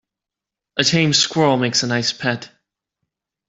A tame squirrel makes a nice pet.